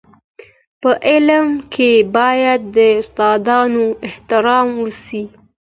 په علم کي باید د استادانو احترام وسي.